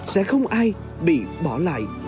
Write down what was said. sẽ không ai bị bỏ lại